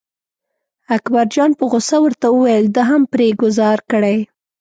اکبرجان په غوسه ورته وویل ده هم پرې ګوزار کړی.